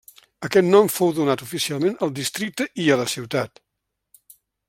Aquest nom fou donat oficialment al districte i a la ciutat.